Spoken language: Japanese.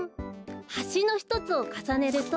はしのひとつをかさねると。